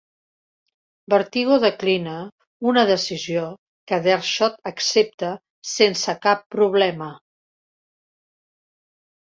Vertigo declina, una decisió que Deadshot accepta sense cap problema.